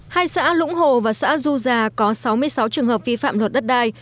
hai xã lũng hổ và xã du già có sáu mươi sáu trường hợp vi phạm luật đất đài